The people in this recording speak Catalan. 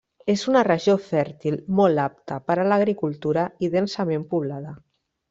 És una regió fèrtil, molt apta per a l'agricultura i densament poblada.